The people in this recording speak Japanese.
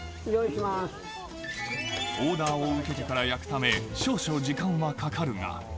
オーダーを受けてから焼くため、少々時間はかかるが。